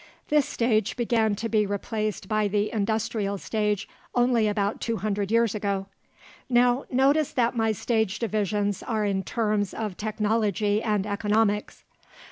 This stage began to be replaced by the industrial stage only about two hundred years ago. Now notice that my stage divisions are in terms of technology and economics.